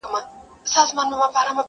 پلار ویله د قاضي کمال څرګند سو,